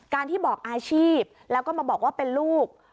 ที่บอกอาชีพแล้วก็มาบอกว่าเป็นลูก